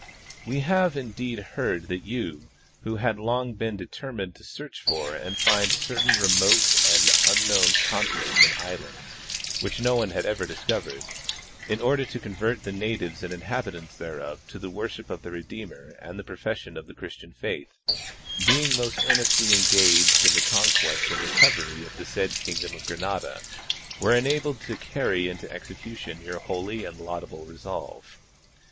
We have indeed heard that you, who had long been deter mined to search for and find certain remote and unknown con 23— Nat. Geog. Mag , vol. V, 1S93. 218 W. E. Ourtis — Pre Colunibian, Vatican Documents. tinents and islands, which no one had ever discovered, in order to convert the natives and inhabitants thereof to the worship of the Redeemer and the profession of the Christian faith, being most earnestl}^ engaged in the conquest and recovery of the said kingdom of Granada, were enabled to carry into execution your holy and laudable resolve.